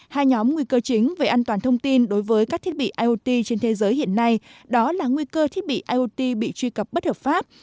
hai nhóm nguy cơ chính về an toàn thông tin đối với các thiết bị iot trên thế giới hiện nay đó là nguy cơ thiết bị iot bị truy cập bất hợp pháp